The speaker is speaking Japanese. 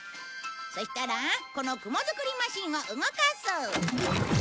そしたらこの雲作りマシンを動かす。